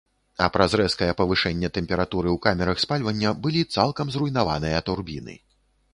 А праз рэзкае павышэнне тэмпературы ў камерах спальвання былі цалкам зруйнаваныя турбіны.